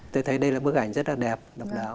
tôi thấy đây là bức ảnh rất là đẹp độc đáo